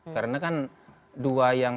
karena kan dua yang